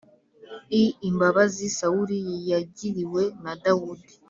i imbabazi sawuli yagiriwe na dawudi,